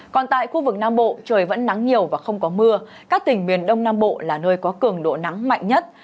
còn tại khu vực nam bộ trời vẫn nắng nhiều và không có mưa các tỉnh miền đông nam bộ là nơi có cường độ nắng mạnh nhất